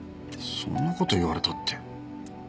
そんな事言われたって。